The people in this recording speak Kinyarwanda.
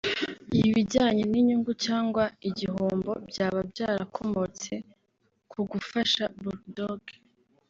Ibijyanye n’inyungu cyangwa igihombo byaba byarakomotse ku gufasha Bull Dogg